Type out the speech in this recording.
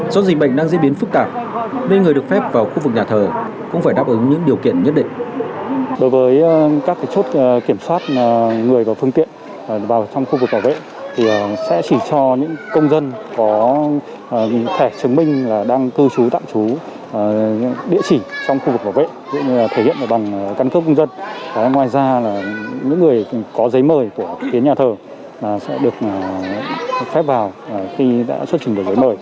do dịch bệnh đang diễn biến phức tạp nên người được phép vào khu vực nhà thờ cũng phải đáp ứng những điều kiện nhất định